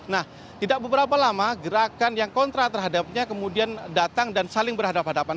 nah tidak beberapa lama gerakan yang kontra terhadapnya kemudian datang dan saling berhadapan hadapan